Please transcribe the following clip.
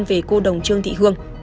về cô đồng trương thị hương